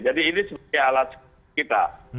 jadi ini sebagai alat kita